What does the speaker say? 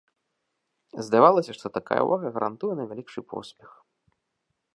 Здавалася, што такая ўвага гарантуе найвялікшы поспех.